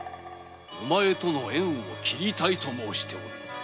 お前とは縁を切りたいと申しておるのだ。